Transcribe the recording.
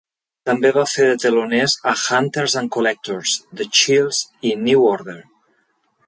També va fer de teloners a Hunters and Collectors, The Chills i New Order.